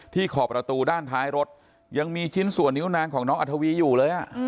ขอบประตูด้านท้ายรถยังมีชิ้นส่วนนิ้วนางของน้องอัธวีอยู่เลย